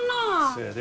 せやで。